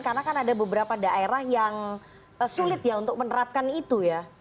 karena kan ada beberapa daerah yang sulit ya untuk menerapkan itu ya